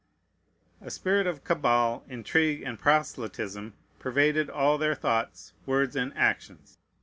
A spirit of cabal, intrigue, and proselytism pervaded all their thoughts, words, and actions.